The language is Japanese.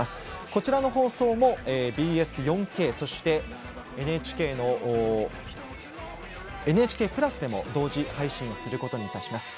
こちらの放送もＢＳ４Ｋそして、「ＮＨＫプラス」でも同時配信いたします。